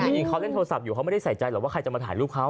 จริงเขาเล่นโทรศัพท์อยู่เขาไม่ได้ใส่ใจหรอกว่าใครจะมาถ่ายรูปเขา